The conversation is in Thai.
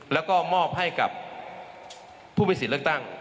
แล้วก็มอบให้กับผู้มีสิทธิ์เลือกตั้ง